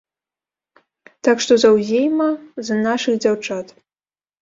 Так што заўзейма за нашых дзяўчат!